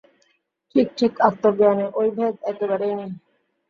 ঠিক ঠিক আত্মজ্ঞানে ঐ ভেদ একেবারেই নেই।